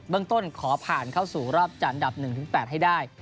เรื่องต้นขอผ่านเข้าสู่รอบจันทร์ดับ๑๘ให้ได้